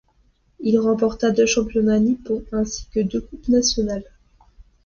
Il remporta deux championnats nippons ainsi que deux coupes nationales.